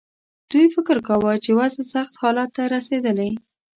دوی فکر کاوه چې وضع سخت حالت ته رسېدلې.